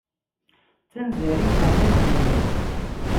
D tanzarin n aɛli abennay.